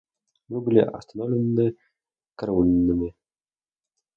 Мы были остановлены караульными.